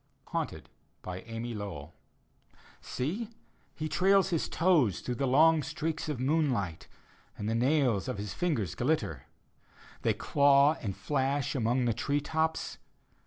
HAUNTED : amy lowbll Seel He trails his toes Through the long streaks of moonlight. And the nails of his fingers glitter; They claw and flash among the tree tops.